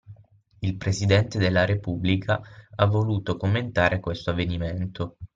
Il presidente della repubblica ha voluto commentare questo avvenimento